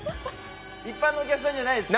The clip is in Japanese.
一般のお客さんじゃないです。